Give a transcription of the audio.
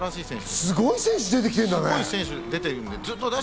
すごい選手が出てきてるんだね。